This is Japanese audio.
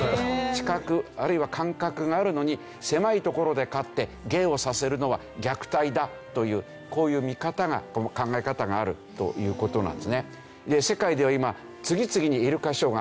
知覚あるいは感覚があるのに狭い所で飼って芸をさせるのは虐待だというこういう見方が考え方があるという事なんですね。